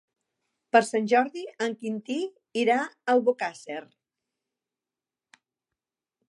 Per Sant Jordi en Quintí irà a Albocàsser.